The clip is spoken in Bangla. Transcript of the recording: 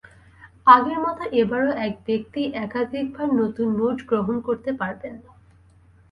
আগের মতো এবারও এক ব্যক্তি একাধিকবার নতুন নোট গ্রহণ করতে পারবেন না।